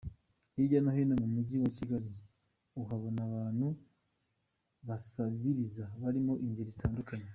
Hirya no hino mu mujyi wa Kigali uhabona abantu basabiriza ,barimo ingeri zitandukanye.